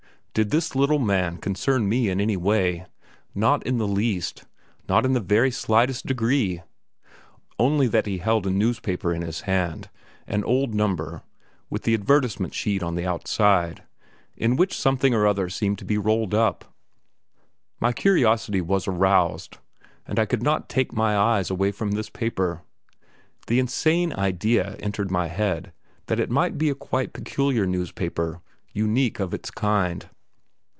Did this little man concern me in any way? Not in the least, not in the very slightest degree! Only that he held a newspaper in his hand, an old number (with the advertisement sheet on the outside), in which something or other seemed to be rolled up; my curiosity was aroused, and I could not take my eyes away from this paper. The insane idea entered my head that it might be a quite peculiar newspaper unique of its kind.